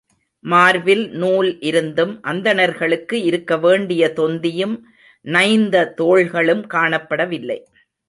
மார்பில் நூல் இருந்தும் அந்தணர்களுக்கு இருக்க வேண்டிய தொந்தியும் நைந்த தோள்களும் காணப்படவில்லை.